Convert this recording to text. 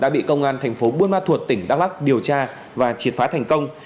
buôn ma thuột tỉnh đắk lắc điều tra và triệt phá thành công